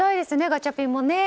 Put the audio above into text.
ガチャピンもね。